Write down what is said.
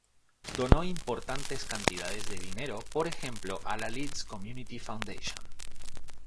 Donó importantes cantidades de dinero por ejemplo a la Leeds Community Foundation.